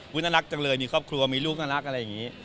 พูดนั้นรักจังเลยมีครอบครัวมีลูกนั้นรักอะไรแบบนี้